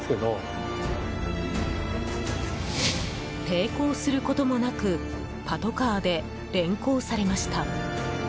抵抗することもなくパトカーで連行されました。